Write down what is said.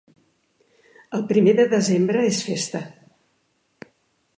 El primer de desembre és festa.